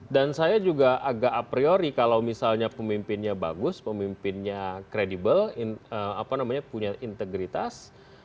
dan saya juga agak a priori kalau misalnya pemimpinnya bagus pemimpinnya kredibel punya integritas